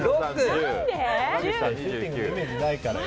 シューティングゲームのイメージないからよ。